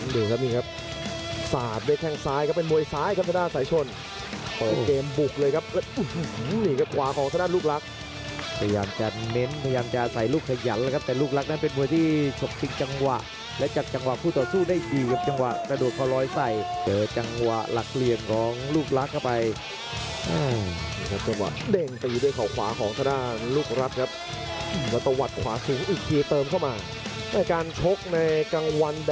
ดูครับนี่ครับสาดในแท่งซ้ายครับเป็นมวยซ้ายครับธนาธนาธนาธนาธนาธนาธนาธนาธนาธนาธนาธนาธนาธนาธนาธนาธนาธนาธนาธนาธนาธนาธนาธนาธนาธนาธนาธนาธนาธนาธนาธนาธนาธนาธนาธนาธนาธนาธนาธนาธนาธนาธนาธนาธนาธนา